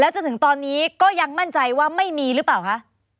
จนถึงตอนนี้ก็ยังมั่นใจว่าไม่มีหรือเปล่าคะ